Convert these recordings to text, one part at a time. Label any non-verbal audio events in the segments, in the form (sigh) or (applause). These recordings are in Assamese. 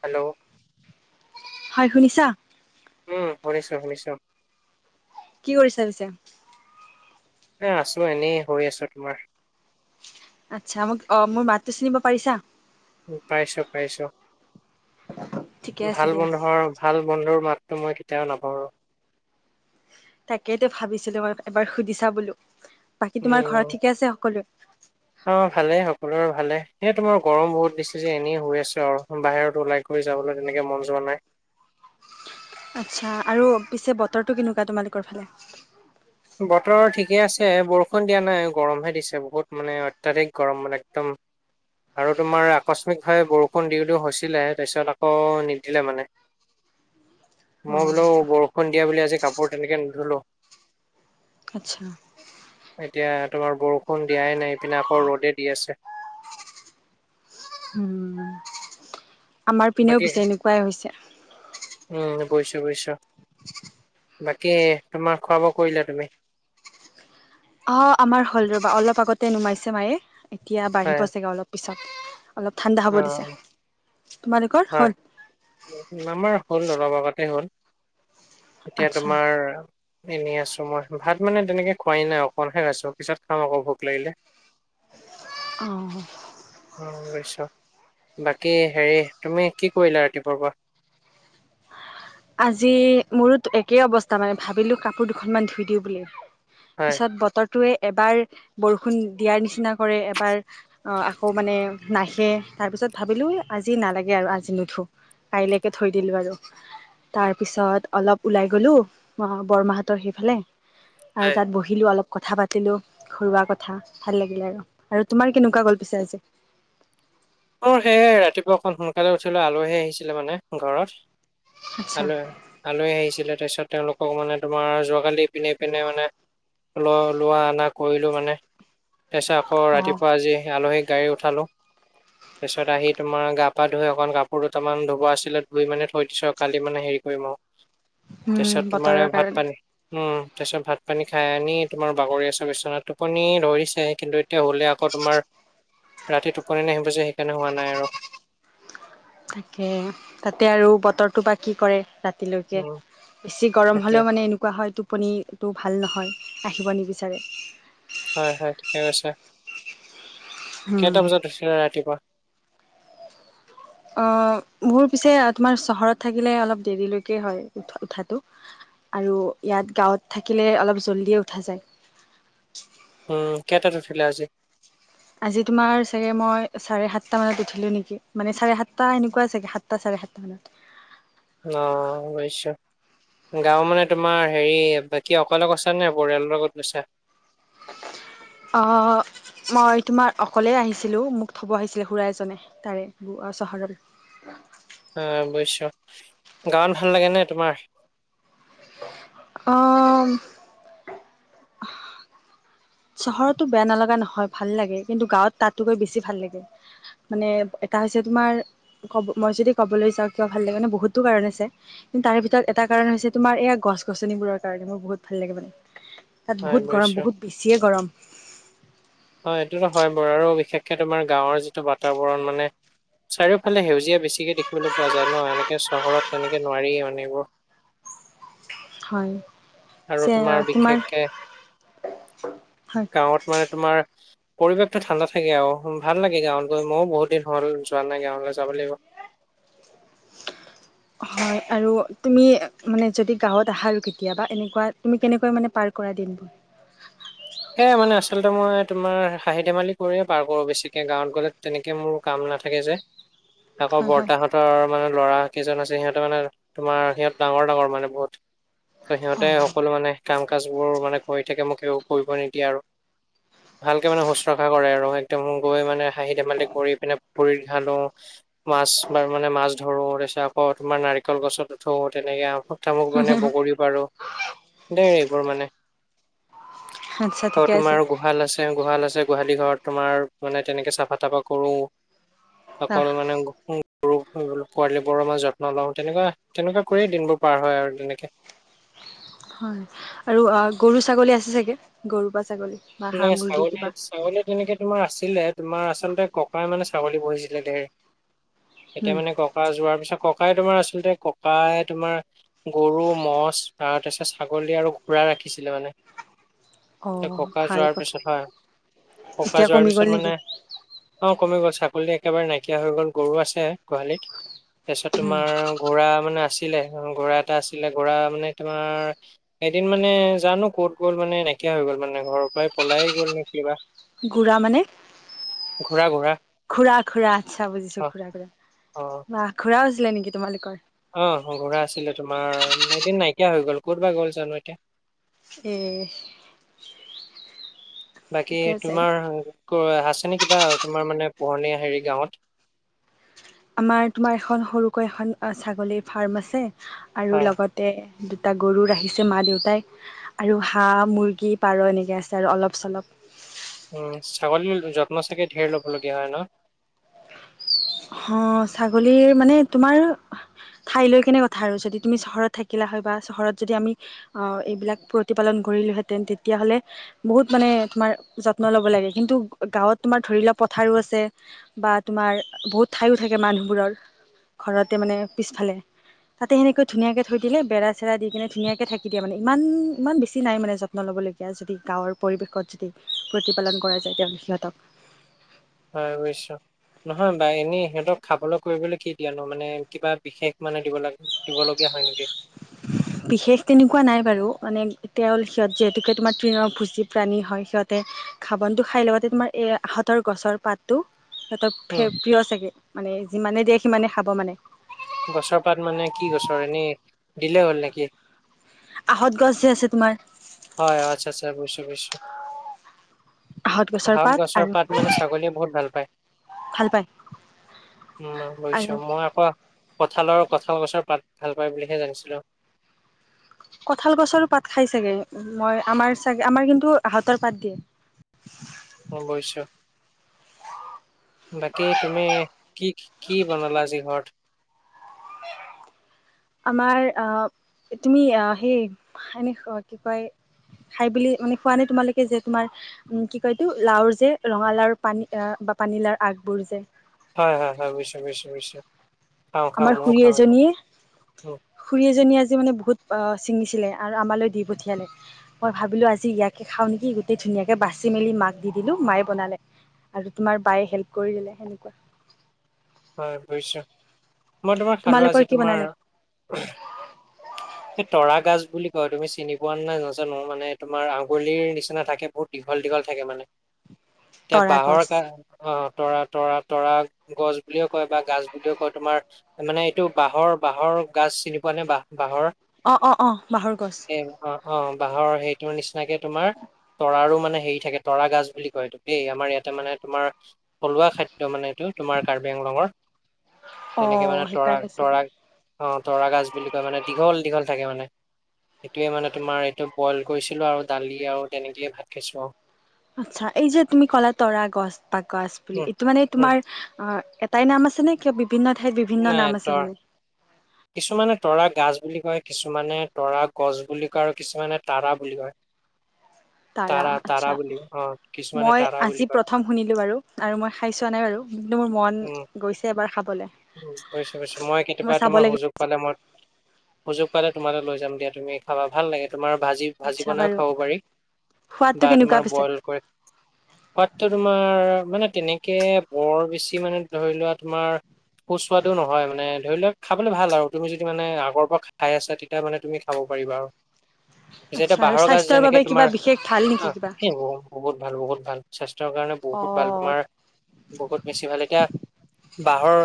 হেল্ল' হয় শুনিছা? উম শুনিছো শুনিছো কি কৰিছা পিছে? এ আছো এনেই হৈ আছো তোমাৰ আচ্ছা মোক অ মোৰ মাতটো চিনিব পাৰিছা পাইছো পাইছো ঠিকে আছে ভাল দিয়া বন্ধৰ ভাল বন্ধুৰ মাত টো মই কেতিয়াও না তাকেইো ভাবিছিলো মই এবাৰ সুধিছা বোলো বাকী তোমাৰ উম ঘৰত ঠিকে আছে সকলোৱে? অ', ভালেই সকলোৰে ভালে এ তোমাৰ গৰম বহুত দিছে যে এনেই হৈ আছো আৰু বাহিৰত ওলাই কৰি যাবলৈ তেনেকে মন যোৱা নাই আচ্ছা আৰু পিছে বতৰটো কেনেকুৱা তোমালোকৰ ফালে বতৰ ঠিকে আছে বৰষুণ দিয়া নাই গৰমহে দিছে বহুত মানে অত্যাধিক গৰম মানে একদম আৰু তোমাৰ আকস্মিকভাৱে বৰষুণ দিওঁ দিওঁ হৈছিলে তাৰপিছত আকৌ নিদিলে মানে অ মই বোলো বৰষুণ দিয়া বুলি আজি কাপোৰ তেনেকে নুধুলো আচ্ছা এতিয়া তোমাৰ বৰষুণ দিয়াই নাই ইপিনে আকৌ ৰ'দে দি আছে উম আমাৰ পিনেও বাকী পিছে এনেকুৱাই হৈছে পইছো পইছা বাকী তোমাৰ খোৱা বোৱা কৰিলো তুমি? অ আমাৰ হ'ল ৰ'বা অলপ আগতে নুমাইছে মায়ে, এতিয়া হয় বাঢ়িব চাগে অলপ পিছত। অলপ ঠাণ্ডা হ'ব অ দিছে তোমালোকৰ হয়। হ'ল আমাৰ হ'ল ন। অলপ আগতে হ'ল এতিয়া আচ্ছা তোমাৰ এনেই আছো মই। ভাত মানে তেনেকে খোৱাই নাই অকমানহে খাইছো, পিছত খাম আকৌ ভোক লাগিলে। অ। অ বুজিছো বাকী হেৰি তুমি কি কৰিলা ৰাতিপুৱাৰ পৰা? আজি মোৰোতো একেই অৱস্থা মানে ভাবিলো কাপোৰ দুখনমান ধুই দিওঁ বুলি। হয়। পিছত বতৰ টোৱে এবাৰ বৰষুণ দিয়াৰ নিচিনা কৰে, এবাৰ আকৌ মানে নাহে। তাৰপিছত ভাবিলোঁ আজি নালাগে আৰু আজি নুধো কাইলৈকে থৈ দিলোঁ আৰু। তাৰ পিছত অলপ ওলাই গলো অ বৰমাহতৰ সেইফালে আৰু হয় তাত বহিলো অলপ কথা পাতিলো ঘৰুৱা কথা, ভাল লাগিল আৰু। আৰু তোমাৰ কেনেকুৱা গল পিছো আজি? অ সেয়ে ৰাতিপুৱা অকন সোনকালে উঠিলো আলহী আহিছিলে মানে ঘৰত। আল আচ্ছা আলহি আহিছিলে। তাৰপিছত তেওঁলোকক মানে তোমাৰ যোৱাকালি ইপিনে সিপিনে মানে ল-লোৱা অনা কৰিলো মানে। তাৰপিছত আকৌ অঁ ৰাতিপুৱা আজি আলহীক গাড়ী উঠালোঁ। তাৰপিছত আহি তোমাৰ গা পা ধুই অকণ কাপোৰ দুটামান ধুব আছিলে ধুই মানে থৈ দিছো কালি মানে হেৰি কৰিম আৰু। তাৰপিছত তোমাৰ বতৰৰ ভাত কাৰণে পানী উ। তাৰপিছত ভাত-পানী খাই আনি তোমাৰ বাগৰি আছ বিচনা, টোপনি ধৰিছে কিন্তু এতিয়া হ'লে আকৌ তোমাৰ ৰাতি টোপনি ন আহিব যে সেইকাৰণে সুৱা নাই আৰু। তাকে, তাতে আৰু বতৰটো বা কি কৰে ৰা ৰাতিলৈকে উম বেছি গৰম সেইটোৱে হলেও মানে এনেকুৱা হয় ত টোপনীটো ভাল নহয় আহিব নিবিচাৰে। হয় হয় ঠিকেই কৈছে। কেইটা বজাত উঠিলে ৰাতিপুৱা? অ মোৰ পিছে তোমাৰ চহৰত থাকিলে অলপ দেৰিলৈকে হয় উঠ-উঠাটো। আৰু ইয়াত গাঁৱত থাকিলে অলপ জল্ডিয়ে উঠা যায়। উম কেইটাত উঠিলা আজি? আজি তোমাৰ চাগে মই চাৰে সাতটা মানত উঠিলো নেকি, মানে চাৰে সাতটা এনেকুৱা চাগে সাতটা চ (inaudible) অ বুজিছো। গাঁও মানে তোমাৰ হেৰি বাকী অকল গৈছা নে পৰিয়ালৰ লগত গৈছা? (inaudible) অ মই তোমাৰ অকলে আহিছিলো, মোক থব আহিছিলে খু় এজনে তাৰে চহৰৰ। (inaudible) অ বুইছো গাৱন ভাল লাগে নে তোমাৰ? অ। চহৰতো বেয়া নালগা নহয় ভাল লাগে। কিন্তু গাঁৱত তাত গৈ বেছি ভাল লাগে মানে। এটা হৈছে তোমাৰ ক'ব মই যদি ক'বলৈ যাওঁ কিয় ভাল লাগে নে বহুতো কাৰণ আছে। কিন্তু তাৰে ভিতৰত এটা কাৰণ হৈছে তোমাৰ এইয়া গছ-গছনিবোৰৰ কাৰণে মোৰ বহুত ভাল লাগে মানে। তাত হয় বহুত গৰম, বুজিছো। বহুত বেছিয়ে গৰম। অ এইটোতো হয় বাৰু, আৰু বিশেষকে তোমাৰ গাঁৱৰ যিটো বাতাবৰণ মানে চাৰিওফালে সেউজীয়া বেছিকে দেখিবলৈ পোৱা যায় ন, এনেকে চহৰত তেনেকে নোৱাৰিয়েই মান এইবোৰ। হয় আৰু তোমাৰ বিশেষকে হয় গাঁৱত মানে তোমাৰ পৰিৱেশটো ঠাণ্ডা থাকে আৰু ভাল লাগে গাঁৱত গৈ মইও বহুত দিন হ'ল যোৱা নাই, গাঁৱলৈ যাব লাগিব। (inaudible) হয় আৰু তুমি মানে যদি গাঁৱত আহা আৰু কেতিাবা, এনেকুৱা তুমি কেনেকৈ মানে প কৰা দিনবোৰ। (inaudible) সেই মানে আচলতে মই তোমাৰ হাঁহি, ধেমালি কৰিয়ে পাৰ কৰো, বেছিকে গাঁৱত গ'লে তেনেকে মোৰ কাম। নাথাকে যে আকৌ হয় হয় বৰ্তাহঁতৰ মানত ল'ৰা কেইজন আছে, সিহঁতে মানে তোমাৰ সিহঁত ডাঙৰ, ডাঙৰ মানে বহুত। ত, সিহঁতে সকলো মানে কাম, কাজ বোৰ মানে কৰি থাকে। মোক কৰিব নিদিয়ে আৰু। ভালকে মানে শুশ্ৰূষা কৰে। আৰু একদম গৈ মানে হাঁহি, ধেমালি কৰি পিনে ভুৰিত ঘালো। মাছ, বাৰ মানে মাছ ধৰো তাৰপিছত আকৌ তোমাৰ নাৰিকল গছত উঠো তেনেকে আ ক, মোক মানে বগৰী পাৰো, দেই এইবোৰ মানে আচ্ছা আ, ঠিকে আছে তোমাৰ গোহাল আছে, গোহাল আছে। গোহালি ঘৰত তোমাৰ মানে তেনেকে চাফা, তাফা কৰো অকল ৰাহ মানে। ৰু, পোৱালিবোৰৰমাৰ যত্ন লওঁ। তেনেকুৱা, তেনেকুৱা কৰিয়েই দিনবোৰ পাৰ হয় আৰু তেনেকে। (inaudible) হয় আৰু গৰু, ছাগলী আছে চাগে। গৰু বা ছাগলী বা হাঁহ নাই মুৰ্গী ছাগলী, কিবা ছাগলী তেনেকে তোমাৰ আছে। আছিলে তোমাৰ আচলতে ককাই মানে ছাগলী বহিছিলে ধেৰ এতিয়া উম মানে ককা যোৱাৰ পিছত। ককাই তোমাৰ আচলতে ককাই তোমাৰ গৰু মছ ত, তাৰিছত, ছাগলী আৰু ঘুৰা ৰাখিছিলে মানে। (unintelligible) মান অ'। ভাল কথা এতিয়া কমি গ'ল নেকি অ'। ছাগলী একেবাৰে নাইকিয়া হৈ গ'ল গৰু আছে গোহালিত। তাৰপিছত উম তোমাৰ গুড়ৰা মানে আছিলে। গুড়ৰা এটা আছিলে, গুড়ৰা মানে তোমাৰ এদিন মানে জানো ক'ত গ'ল মানে নাইকিয়া হৈ গ'ল মানে ঘৰৰ পৰাই পলাই গ'ল নে কিবা। ঘুৰা মানে ঘোঁৰা ঘোঁৰা খুৰা, খুৰা আচ্ছা অ বুজিছোঁ খুৰা, খুৰা বা খুৰা হৈছিলে নেকি তোমালোকৰ। আহ, ঘোঁৰা আছিলে। তোমাৰ এদিন নাইকিয়া হৈ গ'ল ক'ত বা গ'ল জানো এতিয়া? এই বাকী তোমাৰ এনে কিবা তোমাৰ মানে পোহনীয়া হেৰি গাঁৱত আমাৰ তোমাৰ এখন সৰুকৈ এখন ছাগলী ফাৰ্ম আছে আৰু হয় লগতে দুটা গৰু ৰাখিছে মা, দেউতাই আৰু হাঁহ, মুৰ্গী, পাৰ এনেকৈ আছে, আৰু অলপ চলপ। উ, ছাগলীৰ যত্ন চাগে, ঢেৰ ল'বলগীয়া হয়, ন? অ, ছাগলীৰ মানে তোমাৰ ঠাইলৈ কেনে কথা আৰু যদি তুমি চহৰত থাকিলা হয় বা চহৰত যদি আমি অ, এইবিলাক প্ৰতিপালন কৰিলোঁ হেতেন, তেতিয়া হলে বহুত মানে তোমাৰ যত্ন ল'ব লাগে গাৱঁত ধৰি লোৱা তোমাৰ পত বা তোমাৰ বহুত ঠাইয়ো থাকে মানুহবোৰৰ ঘৰতে মানে পিছফালে তাতে সেনেকৈ ধুনীয়াকে থৈ দিলে‌, বেৰা-চেৰা দি কিনে ধুনীয়াকে থাকি দিয়ে, মানে ইমান ইমান বেছি নাই মানে যত্ন লবলৈ যদি গাঁৱৰ পৰিৱেশত যদি প্ৰতিপালন কৰা যায়, তেওঁ সিহঁতক‌ (unintelligible) নহয় বা এনেই সিহঁতক খাবলৈ কৰিবলৈ কি দিয়া নো? মানে কিবা বিশেষ মানে দিব লাগ দিবলগীয়া (unintelligible) বিশেষ তেনেকুৱা নাই বাৰু মানে তেল সিহঁত যিহেতুকে তোমাৰ তৃণভূজী প্ৰাণী হয়, সিহঁতে ঘাহ, বন টো খাই লগতে তোমাৰ এ, আহতৰ গছৰ পাতো। সিহঁতৰ উম প্ৰিয় চাগে মানে যিমানে দিয়ে সিমানে খাব মানে গছৰ পাত মানে কি গছৰ এনেই দিলেই হ'ল নেকি? আহত গছ যে আছে তোমাৰ হয়, আচ্ছা, আচ্ছা বুজিছোঁ, বুজিছোঁ। আহত গছৰ পাত মানে ছাগলীয়ে বহুত ভাল পায়। ভাল পায় উম, আৰু বুজিছোঁ মই আকৌ। কঁঠাল আৰু কঁঠাল গছৰ পাত ভাল পায় বুলিহে জানিছিলো কঁঠাল গছৰো পাত খাই চাগে, মই আমাৰ চাগে আমাৰ কিন্তু আহঁতৰ পাত দিয়ে (inaudible) অ বুজিছো। বাকী তুমি কি কি বনালা আজি ঘৰত? (inaudible) আমাৰ আহ তুমি আহ সেই এনে কি কয়? খাই বুলি মানে খোৱা নে তোমালোকে যে তোমাৰ উম কি কয়তো লাওৰ যে ৰঙা লাওৰ পানী বা পানীলাউৰ আগবোৰ যে হয়, হয়, হয়, নিশ্চয় নিশ্চয় নিশ্চয়। আমাৰ খুৰী উ এজনীয়ে খুৰী এজনী আজি মানে বহুত ছিঙিছিলে আৰু আমালৈ দি পঠিয়ালে মই ভাবিলোঁ আজি ইয়াকে খাওঁ নেকি গোটেই ধুনীয়াকে বাচ চি মেলি মাক দি দিলো মায়ে বনালে আৰু তোমাৰ বায়ে হেল্প কৰি দিলে সেনেকুৱা হয় বুজিছো মই তোমাৰ খালোঁ আজি তোমালোকৰ কি তোমাৰ বনালে এই তৰা গছ বুলি কয় তুমি চিনি পোৱা নাই নাজানো মানে তোমাৰ আঙুলিৰ নিচিনা থাকে বহুত দীঘল দীঘল থাকে মানে এতিয়া তৰা বাঁহৰ গছ ক অ তৰা তৰা তৰা গছ বুলিও কয় বা গাছ বুলিও কয় তোমাৰ মানে এইটো বাঁহৰ বাঁহৰ গাছ চিনি পোৱা নে বাঁহ বাঁহৰ অ অ অ বাঁহৰ গছ অ', বাঁহৰ সেই তোৰ নিচিনাকে তোমাৰ তৰাৰো মানে হেৰি থাকে তৰা গছ বুলি কয় এইটো দেই আমাৰ ইয়াতে মানে তোমাৰ থলুৱা খাদ্য মানে এইটো তোমাৰ কাৰ্বি-আংলঙৰ অ তেনেকে মানে তৰা সেইকাৰণে চাগে তৰা অ তৰা গছ বুলি কয় মানে দীঘল দীঘল থাকে মানে সেইটোোৱে মানে তোমাৰ এইটো বইল কৰিছিলো আৰু দালি আৰু তেনেকেইে ভাত খাইছো আৰু আচ্ছা এই যে তুমি কলা তৰা গছ বা গছ বুলি উম এইটো মানে উম তোমাৰ অ', এটাই নাম আছে নে কিয় বিভিন্ন ঠাইত বিভিন্ন নাই নাম আছে তৰ মানে কিছুমানে তৰা গছ বুলি কয় কিছুমানে তৰা গছ বুলি কয় আৰু কিছুমানে তৰা বুলি কয় তাৰা আচ্ছা বুলি অ কিছুমানে মই তাৰা বুলি আজি কয় প্ৰথম শুনিলো বাৰু আৰু মই খাই চোৱা নাই বাৰু কিন্তু মোৰ মন গৈছে এবাৰ খাবলে উ বুজছো বুছো মই কেতিয়াবা চাব তোমাৰ লাগিব সুযোগ পালে মই সুযোগ পালে তোমালৈ লৈ যাম দিয়া তুমি খাবা ভাল লাগে তোমাৰ ভাজি ভাজি আচ্ছা বনাইও বাৰু খাব পাৰি সোৱাদটো বা কেনেকুৱা তোমাৰ পিছে বইল কৰে সোৱাদটো তোমাৰ মানে তেনেকে বৰ বেছি মানে ধৰি লোৱা তোমাৰ সুস্বাদু নহয় মানে ধৰি লওক খাবলৈ ভাল আৰু তুমি যদি মানে আগৰ পৰা খাই আছা তেতিয়া মানে তুমি খাব পাৰিবা এতিয়া আচ্ছা আৰু বাঁহৰ গছ স্বাস্থ্যৰ যেনেকে বাবে কিবা তোমাৰ বিশেষ ভাল নেকি কিবা বহুত ভাল বহুত ভাল স্বাস্থ্যৰ কাৰণে অ বহুত ভাল তোমাৰ বহুত বেছি ভাল এতিয়া বাঁহৰ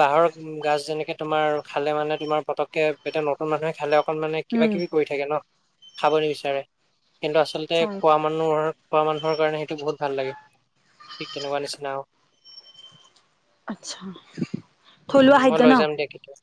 বাঁহৰ গছ যেনেকে তোমাৰ খালে মানে তোমাৰ পতকে পে নতুন মানুহে খালে অকণ মানে কিবা উম কিবি কৰি থাকে ন খাব নিবিচাৰে কিন্তু আচলতে হয় খোৱা মানুহৰ খোৱা মানুহৰ কাৰণে সেইটো বহুত ভাল লাগে ঠিক তেনেকুৱা নিচিনা আৰু আচ্ছা উ থলুৱা মই খাদ্য লৈ ন যাম দিয়া এতিয়া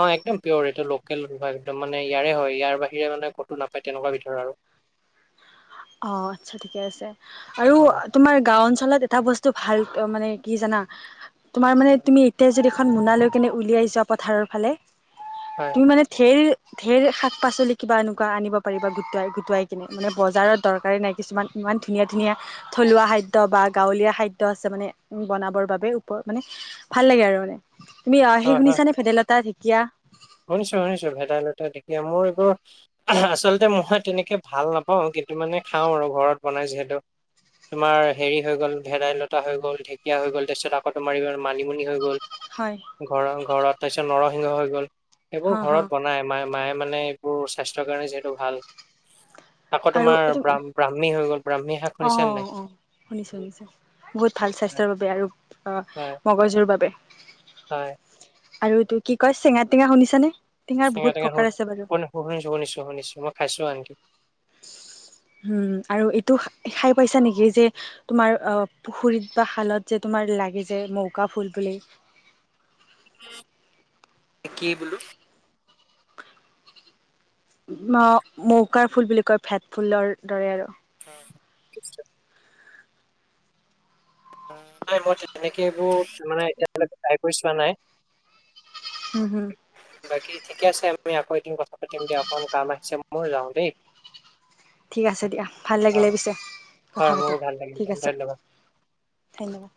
অ', একদম পিয়'ৰ এইটো লোকেল একদম মানে ইয়াৰে হয় ইয়াৰ বাহিৰে মানে ক'তো নাপায় তেনেকুৱা ভিতৰত আৰু। অ', চ্ছা ঠিকে আছে আৰু অ তোমাৰ গাও অঞ্চল চল এটা বস্তু ভাল মানে কি জানা? তোমাৰ মানে তুমি এতিয়া যদি এখন মনাালৈ কেনে উলিয়াই যোৱা পথাৰৰ ফালে হয় তুমি মানে ধেৰ ধেৰ শাক পাচলি কিবা এনেকুৱা আনিব পাৰিবা গোটাই গোটুৱাই কিনে মানে বজাৰত তৰকাৰী নাই কিছুমান ইমান ধুনীয়া ধুনীয়া থলুৱা খাদ্য বা গাঁৱলীয়া খাদ্য আছে মানে উ, বনাব ৰবৰ বাবে উপ, মানে ভাল লাগে আৰু মানে, তুমি সেই শুনিছানে ভেদাইলতা, ঢেঁকীয়া? শুনিছোঁ শুনিছোঁ ভেদাইলতা ঢেঁকী, মোৰ এইবোৰ আচলতে মই তেনেকে ভাল নাপাও। এইটো মানে খাওঁ আৰু ঘৰত বনাই যিহেতু। তোমাৰ হেৰি হৈ গ'ল, ভেদাইলতা হৈ গ'ল, ঢেকীয়া হৈ গ'ল, তাৰিছত আকৌ তোমাৰ এইবোৰ মানিমুনি হৈ গ'ল। হয় ঘ-ঘৰত তাৰ পিছত নৰসিংহ হৈ গ'ল, সেইবোৰ হ হ ঘৰত বনাই মায় মায়ে মানে এইবোৰ স্বাস্থ্যৰ কাৰণে যিহেতু ভাল। আকৌ আৰু তোমাৰ এইটো ব্ৰাহ্মী হৈ গ'ল। ব্ৰাহ্মী শাক অ', শুনিছা নে নাই? অ' শুনিছোঁ, শুনিছোঁ বহুত ভাল স্বাস্থ্যৰ বাবে আৰু হয় মগজুৰ বাবে। হয়। আৰু তোৰ কি কয় চেঙা টেঙা শুনিছানে? টেঙাৰ চেঙা বহুত টেঙা প্ৰকাৰ আছে বাৰু সুন-সুণ-শুনিছোঁ শুনিছোঁ শুনিছোঁ, মই খাইছোঁ আনকি। হুম, আৰু এইটো খাই পাইছা নেকি যে তোমাৰ অ' পুখুৰীত বা শালত যে তুমি মাৰ লাগি যে মৌকা ফুল বুলি। কি বোলো? ম-মৌকাৰ ফুল বুলি কয়, ভেট ফুলৰ দৰে আৰু। (unintelligible) নাই মই তেনেকে এইবোৰ মানে এতিয়া ট্ৰাই কৰি চোৱা নাই। হু, হুম। বাকী ঠিকে আছে, আমি আকৌ এদিন কথা পাতিম দিয়া, অকণমান কাম আহিছে মোৰ যাওঁ দেই। ঠিক আছে দিয়া। ভাল অ লাগিলে পিছে। কথা হয় পাতি, মোৰো ভাল লাগিল ঠিক দিয়া, আছে ধন্যবাদ। ধন্যবাদ।